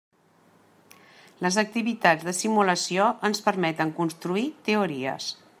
Les activitats de simulació ens permeten construir teories.